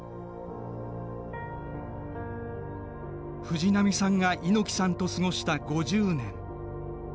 藤波さんが猪木さんと過ごした５０年。